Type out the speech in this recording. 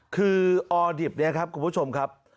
คือออดิบเนี่ยครับคุณผู้ชมครับ